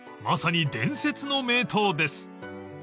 ［まさに伝説の名刀です］